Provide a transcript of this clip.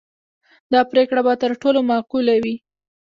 دا پرېکړه به تر ټولو معقوله وي.